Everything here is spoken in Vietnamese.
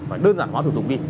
phải đơn giản hóa thủ tục đi